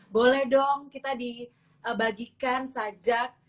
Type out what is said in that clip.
boleh dong kita dibagikan saja